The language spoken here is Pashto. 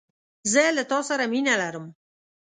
زه له تا سره مینه لرم